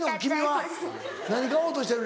何買おうとしてる？